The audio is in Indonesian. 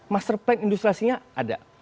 master plan industrialisasi nya ada